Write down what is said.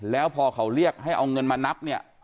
แล้วพอเขาเรียกให้เอาเงินมานับเนี่ย